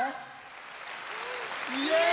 イエーイ！